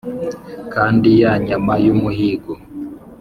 kandi ya nyama y' umuhigo